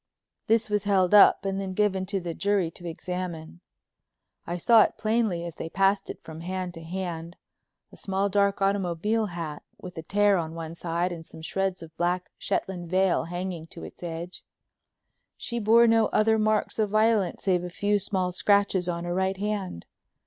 This was held up and then given to the jury to examine. I saw it plainly as they passed it from hand to hand—a small dark automobile hat, with a tear in one side and some shreds of black Shetland veil hanging to its edge. She bore no other marks of violence save a few small scratches on her right hand.